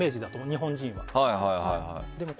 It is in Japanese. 日本人は。